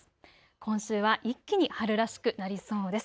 今週は一気に春らしくなりそうです。